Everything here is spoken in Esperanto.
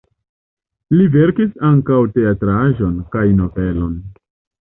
Li verkis ankaŭ teatraĵon kaj novelon.